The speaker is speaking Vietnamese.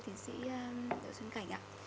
thị sĩ đạo xuân cảnh ạ